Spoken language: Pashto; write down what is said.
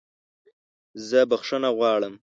زه بخښنه غواړم!